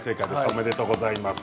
おめでとうございます。